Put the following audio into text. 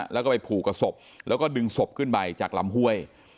แล้วก็ไปผูกกับศพแล้วก็ดึงศพขึ้นไปจากลำห้วย